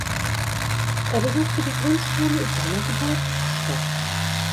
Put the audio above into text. Er besuchte die Grundschule in seiner Geburtsstadt.